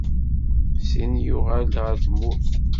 Syin yuɣal-d ɣer tmurt.